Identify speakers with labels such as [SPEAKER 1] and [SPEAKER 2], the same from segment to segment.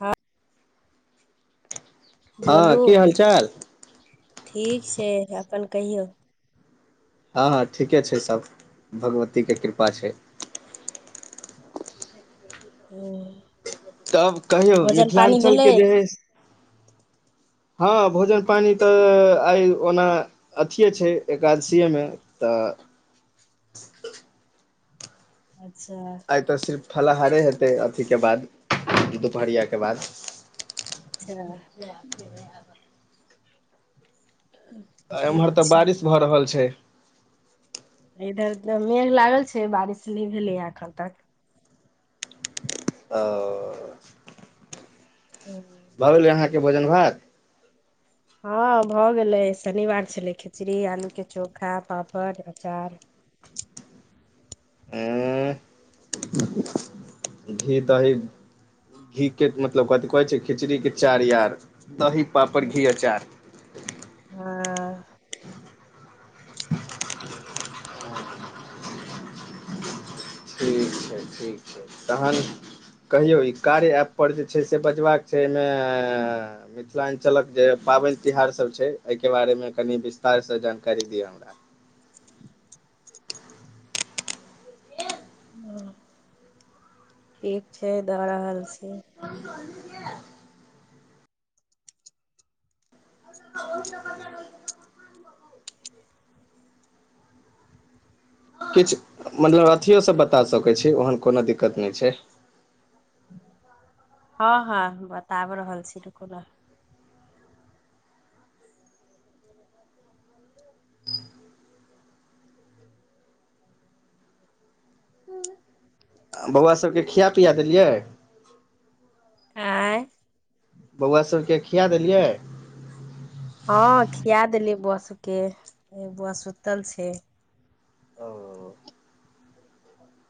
[SPEAKER 1] हँ
[SPEAKER 2] हँ
[SPEAKER 1] बोलू
[SPEAKER 2] की हालचाल
[SPEAKER 1] ठीक छै अपन कहियौ
[SPEAKER 2] हँ हँ ठीके छै सब भगवतीके कृपा छै
[SPEAKER 1] हू
[SPEAKER 2] तब कहियौ
[SPEAKER 1] भेलै
[SPEAKER 2] मिथिलाञ्चलके जे हइ हँ भोजन पानी तऽ आइ ओना अथियए छै एकादशीमे तऽ
[SPEAKER 1] अच्छा
[SPEAKER 2] आइ तऽ सिर्फ फलाहारे हेतै अथीके बाद दुपहरियाके बाद
[SPEAKER 1] अच्छा ह [inaudible]
[SPEAKER 2] एम्हर तऽ बारिश भऽ रहल छै
[SPEAKER 1] इधर मेघ लागल छै बारिश नहि भेलैए एखन तक
[SPEAKER 2] आ
[SPEAKER 1] ह
[SPEAKER 2] भऽ गेलै अहाँके भोजन भात
[SPEAKER 1] हँ भऽ गेलै शनिवार छलै खिचड़ी आलूके चोखा पापड़ अचार
[SPEAKER 2] आँ घी दही घी के मतलब कथि कहै छै खिचड़ी के चार यार दही पापड़ घी अचार
[SPEAKER 1] हँ
[SPEAKER 2] ठीक छै ठीक छै तहन कहियौ ई कार्य ऐप परर जे छै से बजबाक छै एहिमे मिथिलाञ्चलक जे पाबनि तिहार सब छै एहि के बारे मे कनि विस्तार से जानकारी दिअ हमरा
[SPEAKER 1] ह ठीक छै दऽ रहल छी
[SPEAKER 2] [inaudible] ह [inaudible] [inaudible] किछु मतलब अथियोसँ बता सकैत छी ओहन कोनो दिक्कत नहि छै
[SPEAKER 1] हँ हँ बताब रहल छी रुकू न हूँ
[SPEAKER 2] बौआ सभकेँ खिया पिया देलियै
[SPEAKER 1] आँय
[SPEAKER 2] बौआ सबके खिया देलियै
[SPEAKER 1] हँ खिया देली बौआ सभ के बौआ सुतल छै
[SPEAKER 2] ओ [inaudible]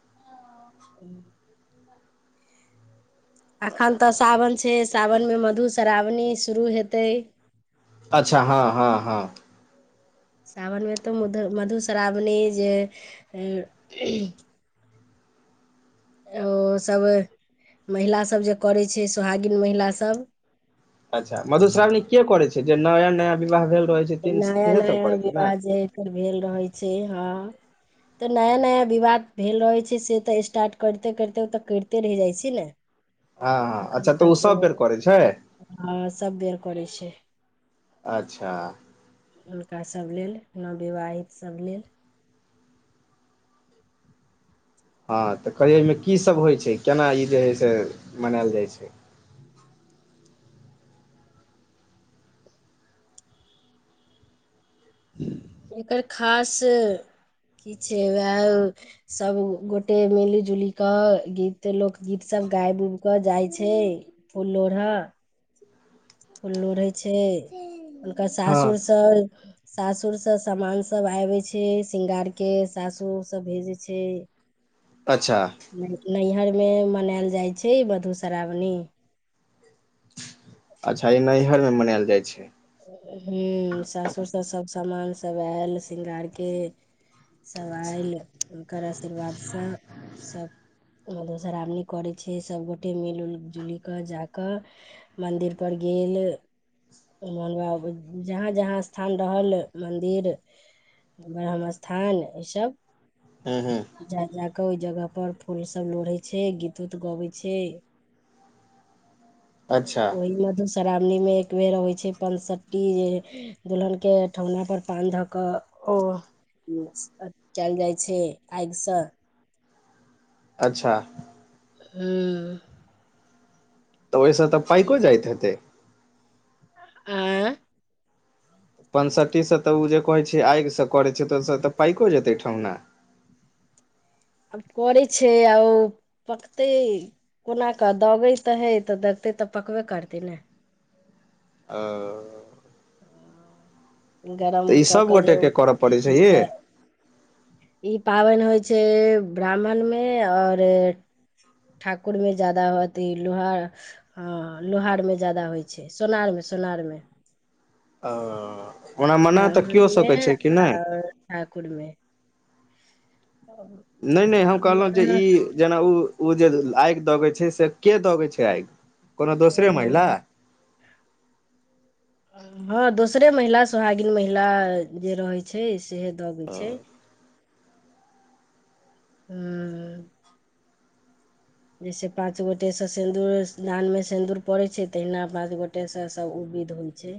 [SPEAKER 1] [unintelligible] एखन तऽ सावन छै सावनमे मधुश्रावणी शुरू हेतै
[SPEAKER 2] अच्छा हँ हँ हँ
[SPEAKER 1] सावनमे तऽ मधु मधुश्रावणी जे ओ सभ महिलासभ जे करैत छै सोहागिन महिलासभ
[SPEAKER 2] अच्छा मधुश्रावणी के करे छै जे नया नया विवाह भेल रहे छै तिन
[SPEAKER 1] नया
[SPEAKER 2] सेहे सब
[SPEAKER 1] नया
[SPEAKER 2] करै छै ने
[SPEAKER 1] विवाज एकर भेल रहैत छै हँ तऽ नया नया विवाह भेल रहै छै से तऽ स्टार्ट करिते करिते ओ तऽ करिते रहि जाइ छै ने
[SPEAKER 2] हँ हँ
[SPEAKER 1] जखन
[SPEAKER 2] अच्छा तऽ ओ
[SPEAKER 1] तक
[SPEAKER 2] सब बेर करै छै
[SPEAKER 1] सब बेर करै छै
[SPEAKER 2] अच्छा
[SPEAKER 1] हुनकासभ लेल नविवाहितसभ लेल
[SPEAKER 2] हँ तऽ करिय एहिमे की सभ होइ छै केना ई जे हइ से मनायल जाइत छै
[SPEAKER 1] एकर खास की छै उएह सभ गोटे मिलि जुलि कऽ गीत लोकगीतसभ गाबि उबि कऽ जाइ छै फुल लोढ़ा फुललोढ़ै छै हुनकर
[SPEAKER 2] हँ
[SPEAKER 1] सासुर सब सासुरसभ सामानसभ आबै छै श्रृंगारके सासुरसँ भेजै छै
[SPEAKER 2] अच्छा
[SPEAKER 1] नैहरमे मनायल जाइत छै मधुश्रावणी
[SPEAKER 2] अच्छा ई नैहर मे मनायल जाइ छै
[SPEAKER 1] ह सासुर से सब सामान सब आयल श्रृंगारके सभ आयल हुनकर आशीर्वादसँ सभ मधुश्रावणी करै छै सभगोटे मिलि उलजुलि कऽ जा कऽ मन्दिर पर गेल न बाबू जहाँ जहाँ स्थान रहल मन्दिर ब्रह्मस्थान ई सभ
[SPEAKER 2] हू हू
[SPEAKER 1] जा जा क ओहि जगह पर फूल सब लोढ़े छै गीत उत गबे छै
[SPEAKER 2] [inaudible]
[SPEAKER 1] ओहि मधुश्रावणी मे एक बेर होइ छै पनसटी दुल्हनके ठेहुना पर पान धऽ कऽ ओ कयल जाय छै आगि से
[SPEAKER 2] अच्छा
[SPEAKER 1] हूँ
[SPEAKER 2] तऽ ओहिसँ तऽ पाइको जाइत हेतै
[SPEAKER 1] आंए
[SPEAKER 2] पैंसठीसँ तऽ ओ जे कहैत छै आगिसँ करैत छै तऽ ओहिसँ तऽ पाकको जेतै ठेहुना
[SPEAKER 1] आब करै छै आ ओ पकतै कोना कऽ दगैत तऽ हे तऽ दगतै तऽ पकबे करतै ने
[SPEAKER 2] ओ
[SPEAKER 1] गरम
[SPEAKER 2] तऽ ई
[SPEAKER 1] कऽ कऽ जे ओ
[SPEAKER 2] सभगोटेके करय पड़ै छै
[SPEAKER 1] देथिन
[SPEAKER 2] ये
[SPEAKER 1] तऽ ई पाबनि होइ छै ब्राह्मणमे आओर ठाकुर में ज्यादा अथी ह लोहार हँ लोहारमे जादा होइ छै सोनारमे सोनारमे
[SPEAKER 2] ओ ओना मना तऽ
[SPEAKER 1] ब्राह्मण
[SPEAKER 2] कओ
[SPEAKER 1] मे
[SPEAKER 2] सकैत छै कि नहि
[SPEAKER 1] आओर ठाकुर मे [unintelligible]
[SPEAKER 2] नहि नहि हम कहलहुँ जे
[SPEAKER 1] हमरा
[SPEAKER 2] ई जेना ओ ओ जे आगि दगे छै से के दगै छै आगि कोनो दोसरे महिला
[SPEAKER 1] हँ दोसरे महिला सोहागिन महिला जे रहैत छै से दगै छै जैसे पांच गोटे से सिन्दूरदान मे सिन्दूर पड़े छै तहिना पाँच गोटे से तेसर सब ओ विध होइ छै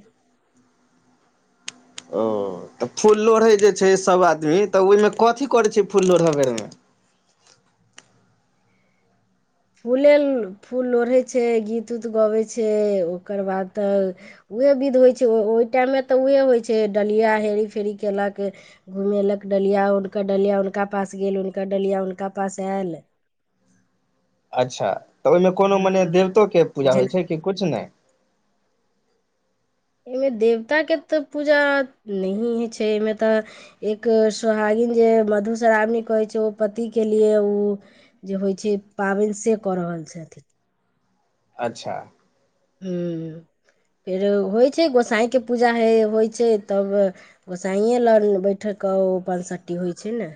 [SPEAKER 2] ओ तऽ फूल लोढ़े जे छै सभ आदमी तऽ ओहिमे कथी करैत छै फूल लोढ़य बेरमे
[SPEAKER 1] फूले फूल लोढ़ै छै गीत उत गबैत छै ओकर बाद तऽ उएह विध होइ छै ओ ओहि टाइममे तऽ उएह होइ छै डलिया हेरी फेरी कयलक घुमेलक डलिया हुनकर डलिया हुनका पास गेल हुनकर डलिया हुनका पास आयल
[SPEAKER 2] अच्छा तऽ ओहिमे कोनो मने
[SPEAKER 1] हँ
[SPEAKER 2] देवतो के पूजा
[SPEAKER 1] झ-
[SPEAKER 2] होइ छै कि कछु नहि
[SPEAKER 1] एहिमे देवताके तऽ पूजा नहि होइ छै एहिमे तऽ एक सोहागिन जे मधुश्रावणी कहै छै अओ पति के लिए उ जे होइ छै पाबनि से कऽ रहल छथिन
[SPEAKER 2] अच्छा
[SPEAKER 1] ह फेर होइ छै गोसाईके पूजा ह होइ छै तब गोसाइए लऽ बैठ कऽ ओ पाँसठ्ठी होइ छै ने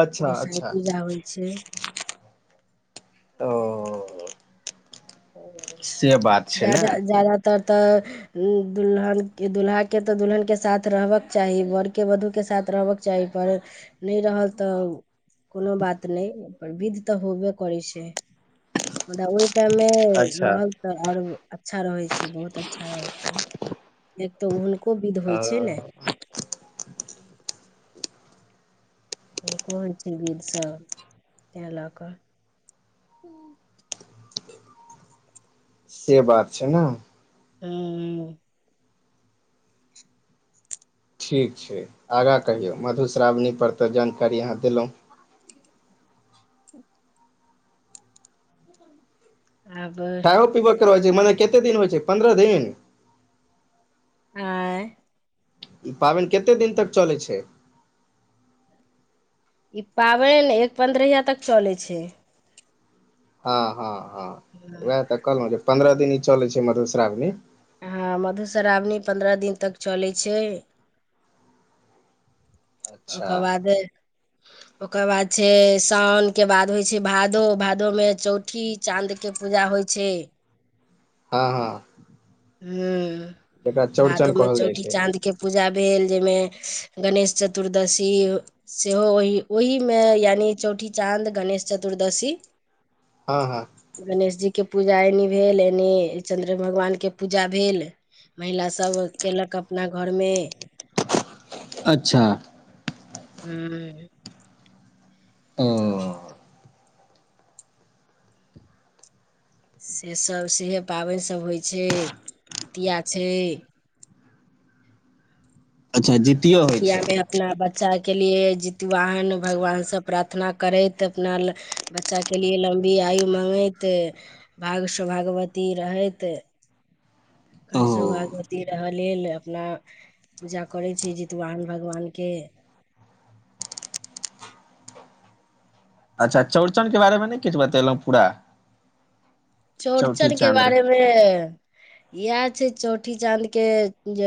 [SPEAKER 2] अच्छा
[SPEAKER 1] गोसाइ
[SPEAKER 2] अच्छा
[SPEAKER 1] पूजा होइ
[SPEAKER 2] ओ से बात छै ने
[SPEAKER 1] ज्यादातर तऽ दुलहन दुल्हा के तऽ दुल्हन के साथ रहबक चाही बड़ के वधू के साथ रहबक चाहि पर नहि रहल त कोनो बात नहि पर विध तऽ होबे करै छै मुदा ओहिटाइम
[SPEAKER 2] अच्छा
[SPEAKER 1] रहल तऽ आओर अच्छा रहै छै बहुत अच्छा रहैत छै एक तऽ हुनको विध होइ
[SPEAKER 2] ओ
[SPEAKER 1] छै ने हम कोन छी विधसभ तैं लऽ कऽ हूँ [inaudible]
[SPEAKER 2] से बात छै ने
[SPEAKER 1] हँ
[SPEAKER 2] ठीक छै आगाँ कहियौ मधुश्रावणी पर तऽ जानकारी अहाँ देलहुँ
[SPEAKER 1] [unintelligible] आब
[SPEAKER 2] खायो छै मने कते दिन होइ छै पन्द्रह दिन
[SPEAKER 1] आँ
[SPEAKER 2] ई पाबैन कते दिन तक चलै छै
[SPEAKER 1] ई पाबनि एक पन्द्रहिया तक चलैत छै
[SPEAKER 2] हँ हँ हँ उएह तऽ कहलमे जे पंन्द्रह दिन ई चलैत छै मधुश्रावणी
[SPEAKER 1] हँ मधुश्रावणी पन्द्रह दिन तक चलैय छै
[SPEAKER 2] अच्छा
[SPEAKER 1] ओकर बाद
[SPEAKER 2] [inaudible]
[SPEAKER 1] ओकर बाद छै सावनके बाद होइ छै भादो भादोमे चौठी चाँदके पूजा होइ छै
[SPEAKER 2] हँ हँ जेकरा
[SPEAKER 1] हू भादो
[SPEAKER 2] चौड़चन
[SPEAKER 1] में
[SPEAKER 2] कहल जाइ
[SPEAKER 1] चौठी
[SPEAKER 2] छै
[SPEAKER 1] चाँद के पूजा भेल जाहिमे गणेश चतुर्दशी सेहो ओहि ओहिमे यानि चौठी चाँद गणेश चतुर्दशी
[SPEAKER 2] हँ हँ
[SPEAKER 1] गणेश जी के पूजा एनी भेल एनी चंन्द्र भगवान के पूजा भेल महिला सब कयलक अपना घरमे
[SPEAKER 2] अच्छा
[SPEAKER 1] हूं
[SPEAKER 2] ओ
[SPEAKER 1] से सभ सेहै पाबनि सभ होइ छै जीतिया छै
[SPEAKER 2] अच्छा जितियो होइ छै
[SPEAKER 1] जीतियामे आब अपना बच्चा के लिए जितवाहन भगवानसँ प्रार्थना करैत अपना बच्चा के लिए लम्बी आयु मांगैत भाग स्वभागवती रहैत
[SPEAKER 2] ओ
[SPEAKER 1] कण सौ भागवती रहय लेल अपना पूजा करैत छी जितवान भगवानके
[SPEAKER 2] अच्छा चौड़चनके बारेमे नहि किछु बतेलहुँ पूरा चौठी
[SPEAKER 1] चौड़चनके
[SPEAKER 2] चाँद्र
[SPEAKER 1] बारेमे इएह छै चौठी चाँद के जे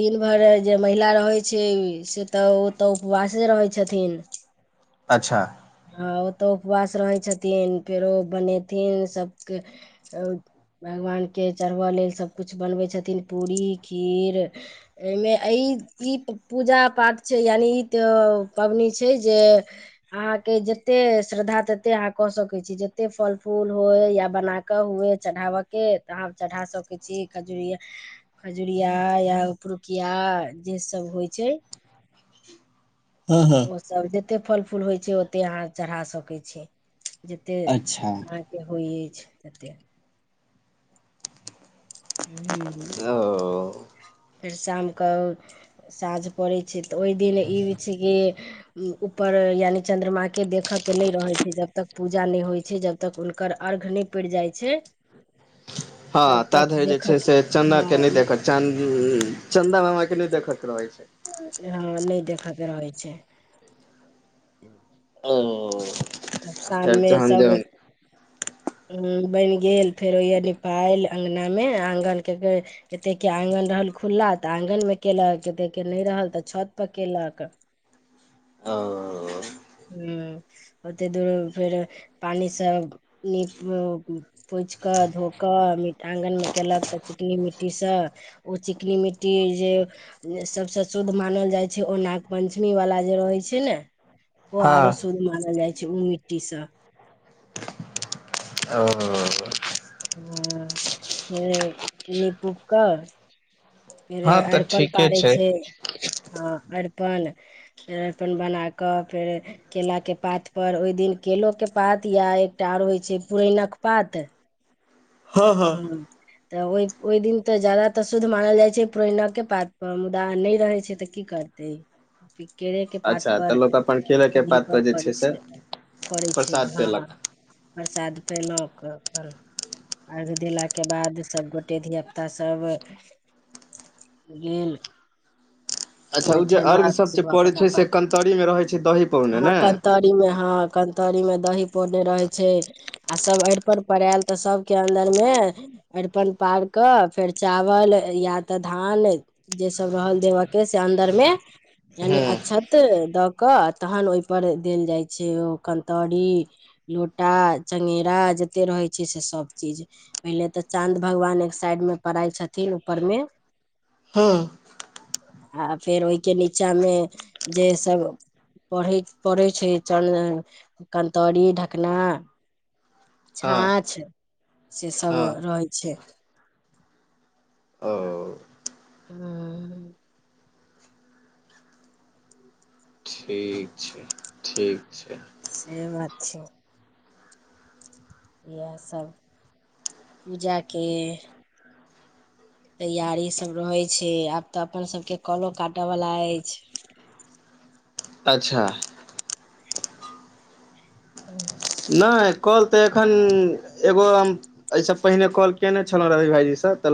[SPEAKER 1] दिन भरि जे महिला रहै छै से तऽ ओ तऽ उपवासे रहै छथिन
[SPEAKER 2] अच्छा
[SPEAKER 1] हँ ओ तऽ उपवास रहै छथिन फेरो बनेथिन सभके भगवानके चढ़बय लेल सभकिछ बनबै छथिन पूरी खीर एहिमे ई ई पूजा पाठ छै यानि ई तऽ पाबनी छै जे आ के जते श्रद्धा तते अहाँ क सकैत छी जते फल फूल हुए या बनाकऽ हुए चढ़ावै के नाम चढ़ाहाँ से छी खजूर य खजुरिया या पुरुकिया जेसभ होइ छै
[SPEAKER 2] ह हँ
[SPEAKER 1] ओ सब जते फल फूल होइ छै ओते अहाँ चढ़ा सकै छी जते
[SPEAKER 2] अच्छा
[SPEAKER 1] अ होइत अछि जतेक
[SPEAKER 2] ओ
[SPEAKER 1] फेर शामके साँझ पड़ैत छै तऽ ओहि दिन ई हो छै कि ऊपर यानि चंद्रमा के के देखय के नहि रहै छै जब तक पूजा नहि होइ छै जब तक हुनकर अर्घ्य नहि पड़ जाइ छै
[SPEAKER 2] हँ
[SPEAKER 1] तब
[SPEAKER 2] ता
[SPEAKER 1] तक
[SPEAKER 2] धरि जे
[SPEAKER 1] देखऽ
[SPEAKER 2] छै
[SPEAKER 1] के
[SPEAKER 2] से चना के
[SPEAKER 1] हँ
[SPEAKER 2] नहि देखल च चंन्दा मामा के नहि देखे क रहै छै
[SPEAKER 1] हँ नहि देखके रहै छै [inaudible]
[SPEAKER 2] ओ फेर
[SPEAKER 1] शाममे
[SPEAKER 2] जहन
[SPEAKER 1] सब
[SPEAKER 2] जहन
[SPEAKER 1] बैन गेल फेर ओय निपायल अंगना मे आगन के कतेके आंगन रहल खुल्ला तऽ आंगन मे कयेलक कतेके नहि रहल तऽ छत परर केलक
[SPEAKER 2] आँ
[SPEAKER 1] हुँ ओते दूर फेर पानिसँ नीप पोछ कऽ धो कऽ मीट आङगन मे केलक तऽ चिकनी मि मिट्टी से ओ चिकनी मिट्टी जे सभसँ शुद्ध मानल जाइत छै ओ नाग पञ्चमीवला जे रहैत छै ने ओ
[SPEAKER 2] हँ
[SPEAKER 1] आरो शुद्ध मानल जाय छै उ मिट्टी से
[SPEAKER 2] ओ
[SPEAKER 1] हँ निप उप कर फेर
[SPEAKER 2] हँ तऽ
[SPEAKER 1] अरिपन
[SPEAKER 2] ठीके
[SPEAKER 1] पारै छै हँ अरिपन फेर अपन बना कऽ फेर केला के पात पर ओहि दिन केलो के पात या एकटा आओर होइत छै पुरैनकि के पात
[SPEAKER 2] हँ हँ
[SPEAKER 1] हुँ तऽ ओहि ओहि दिन तऽ ज्यादातऽ शुद्ध मानल जाइत छै पुरनकाके पात पर मुदा नहि रहैत छै तऽ की करतै केरे के पात
[SPEAKER 2] अच्छा तऽ
[SPEAKER 1] पर
[SPEAKER 2] लोक अपन केले के
[SPEAKER 1] ओही
[SPEAKER 2] पात
[SPEAKER 1] पर
[SPEAKER 2] जे
[SPEAKER 1] करै
[SPEAKER 2] से
[SPEAKER 1] छै करै छै
[SPEAKER 2] प्रसाद
[SPEAKER 1] हँ
[SPEAKER 2] पेलक
[SPEAKER 1] प्रसाद पेना कऽ अपन आर्घ देलाके बाद सभगोटे धियापुता सब गेल
[SPEAKER 2] अच्छा ओ जे अर्घ सब
[SPEAKER 1] बैठेलक
[SPEAKER 2] जे पड़ै
[SPEAKER 1] अपन
[SPEAKER 2] छै से
[SPEAKER 1] अपन
[SPEAKER 2] कन्तरी मे रहै छै दही पौने
[SPEAKER 1] हँ
[SPEAKER 2] ने
[SPEAKER 1] कत मे ह कन्तरी मे दही पौने रहे छै आ सब अरिपन पर आयल तऽ सब के अन्दर मे अरिपन पार क फेर चावल या तऽ धान जे सब रहल देब के से अन्दर मे यानि
[SPEAKER 2] हँ
[SPEAKER 1] अच्छत दऽ कऽ तहन ओहिपर देल जाइ छै ओ कन्तौरी लोटा चंगेरा जते रहै छै से सब चीज पहिले तऽ चाँद भगवान एक साइड मे पड़ाइ छथिन ऊपर मे
[SPEAKER 2] हुँ
[SPEAKER 1] आ फेर ओहिके नीचा मे जे सब पढ़ै पढ़ै छै चन कन्तरी ढकना
[SPEAKER 2] हँ
[SPEAKER 1] छाँछ से सब
[SPEAKER 2] हँ
[SPEAKER 1] रहै छै
[SPEAKER 2] ओ
[SPEAKER 1] हू
[SPEAKER 2] ठीक छै ठीक छै
[SPEAKER 1] से बात छै इएहसभ पूजाके तैयारी सब रहे छै आब तऽ अपन सब के कलो काटे वाला अछि
[SPEAKER 2] अच्छा
[SPEAKER 1] [inaudible]
[SPEAKER 2] नहि कल तऽ एखन एगो हम एहिसँ पहिने कॉल केने छलहुं रवी भाईजी से त